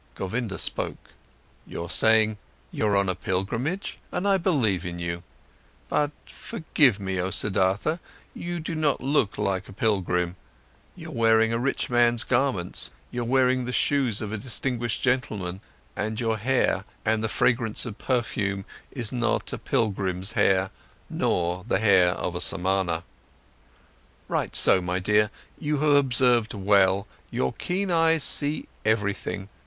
Govinda spoke: "You're saying: you're on a pilgrimage, and I believe you. But, forgive me, oh Siddhartha, you do not look like a pilgrim. You're wearing a rich man's garments, you're wearing the shoes of a distinguished gentleman, and your hair, with the fragrance of perfume, is not a pilgrim's hair, not the hair of a Samana." "Right so, my dear, you have observed well, your keen eyes see everything.